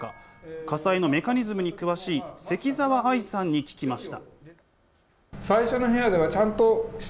火災のメカニズムに詳しい関澤愛さんに聞きました。